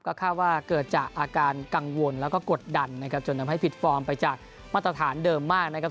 ก็คาดว่าเกิดจากอาการกังวลแล้วก็กดดันนะครับจนทำให้ผิดฟอร์มไปจากมาตรฐานเดิมมากนะครับ